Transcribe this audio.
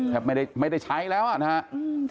ไม่ได้ไม่ได้ใช้แล้วนะครับ